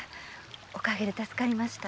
お陰で助かりました。